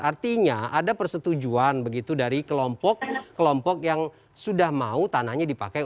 artinya ada persetujuan begitu dari kelompok kelompok yang sudah mau tanahnya dipakai